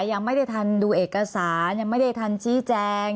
ยังไม่ได้ทันดูเอกสารยังไม่ได้ทันชี้แจง